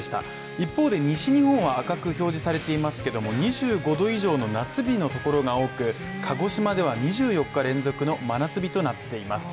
一方で西日本は赤く表示されていますけども２５℃以上の夏日のところが多く、鹿児島では２４日連続の真夏日となっています。